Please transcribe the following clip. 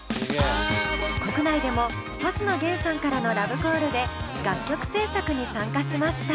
国内でも星野源さんからのラブコールで楽曲制作に参加しました。